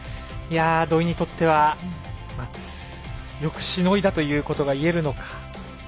土居にとってはよくしのいだということがいえるのか。